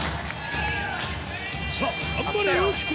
さぁ頑張れよしこ！